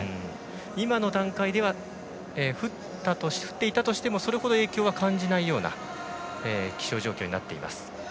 今の段階では降っていたとしてもそれほど影響は感じないような気象状況になっています。